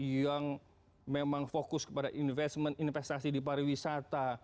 yang memang fokus kepada investment investasi di pariwisata